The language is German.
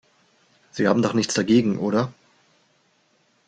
Sie haben doch nichts dagegen, oder?